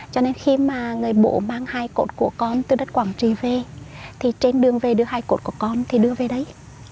cho nên khi mà người bộ mang hai cột của con từ đất quảng trì về thì trên đường về đưa hai cột của con thì đưa về đấy